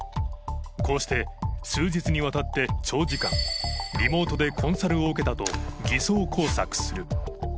こうして数日にわたって長時間リモートでコンサルを受けたと偽装工作する。